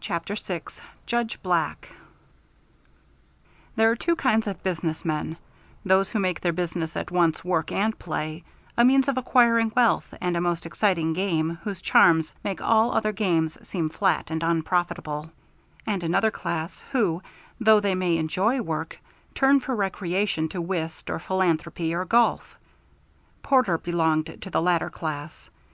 CHAPTER VI JUDGE BLACK There are two kinds of business men: those who make their business at once work and play, a means of acquiring wealth and a most exciting game whose charms make all other games seem flat and unprofitable; and another class who, though they may enjoy work, turn for recreation to whist or philanthropy or golf. Porter belonged to the latter class.